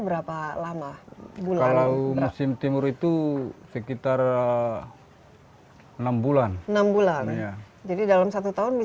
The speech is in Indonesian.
berapa lama bulan musim timur itu sekitar enam bulan enam bulan jadi dalam satu tahun di